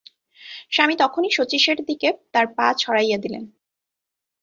স্বামী তখনই শচীশের দিকে তাঁর পা ছড়াইয়া দিলেন।